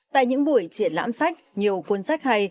tại những buổi triển lãm sách nhiều cuốn sách hay